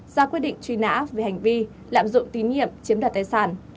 ra quyết định truy nã về hành vi lạm dụng tín nhiệm chiếm đoạt tài sản